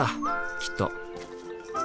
きっと。